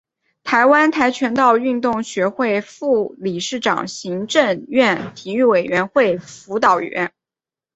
台湾跆拳道运动学会副理事长行政院体育委员会训辅委员